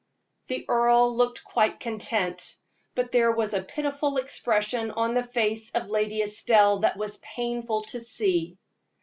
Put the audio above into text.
The earl looked quite content, but there was a pitiful expression on the face of Lady Estelle that was painful to see.